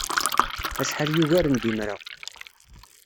Acḥal yugaren d imra!